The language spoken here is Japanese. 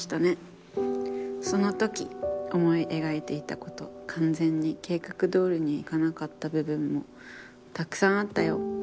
その時思いえがいていたこと完全に計画通りにいかなかった部分もたくさんあったよ。